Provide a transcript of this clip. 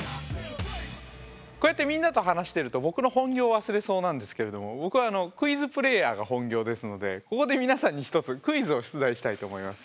こうやってみんなと話してると僕の本業を忘れそうなんですけれども僕はクイズプレーヤーが本業ですのでここで皆さんに１つクイズを出題したいと思います。